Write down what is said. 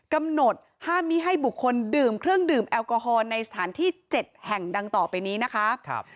กำหนดห้ามมีให้บุคคลดื่มเครื่องดื่มแอลกอฮอลในสถานที่๗แห่งดังต่อไปนี้นะคะ